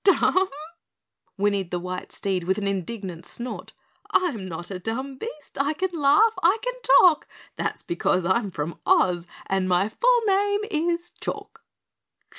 "Dumb?" whinnied the white steed with an indignant snort. "I'm not a dumb beast, I can laugh, I can talk, That's becoz I'm from Oz and my full name is Chalk."